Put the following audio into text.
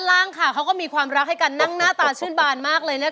ล่างค่ะเขาก็มีความรักให้กันนั่งหน้าตาชื่นบานมากเลยนะคะ